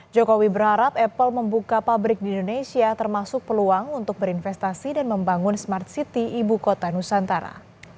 jokowi berharap apple membuka pabrik di indonesia termasuk peluang untuk berinvestasi dan membangun smart city ibu kota nusantara